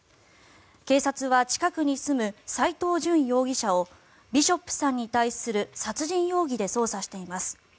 警察は近くに住む斎藤淳容疑者をビショップさんに対する殺人容疑で捜査しています。